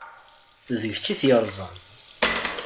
D kečč i t-yeṛẓan.